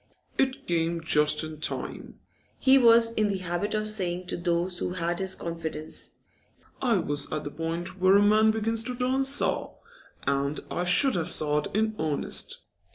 'It came just in time,' he was in the habit of saying to those who had his confidence. 'I was at the point where a man begins to turn sour, and I should have soured in earnest.